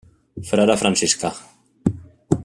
Frare franciscà.